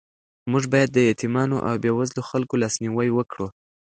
موږ باید د یتیمانو او بېوزلو خلکو لاسنیوی وکړو.